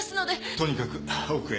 とにかく奥へ。